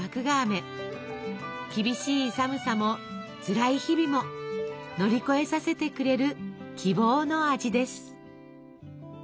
厳しい寒さもつらい日々も乗り越えさせてくれる希望の味です。